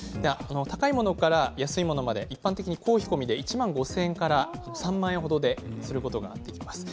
高いものから出やすいものまで一般的に工費込みで１万５０００円から３万円程で作ることができます。